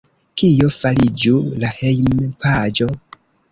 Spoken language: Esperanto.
Kio fariĝu la hejmpaĝo?